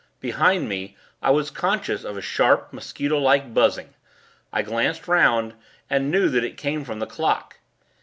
Behind me, I was conscious of a sharp, mosquito like buzzing. I glanced 'round, and knew that it came from the clock.